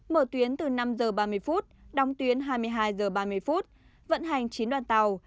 mở tuyến từ năm h ba mươi phút đóng tuyến hai mươi hai h ba mươi vận hành chín đoàn tàu